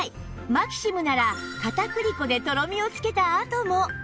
マキシムなら片栗粉でとろみをつけたあとも